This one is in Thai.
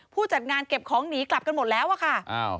ผู้จัดงานเก็บของหนีกลับกันหมดแล้วอะค่ะ